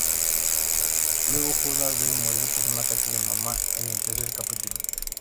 Luego, Judas debe morir por un ataque de Mamá en el tercer capítulo.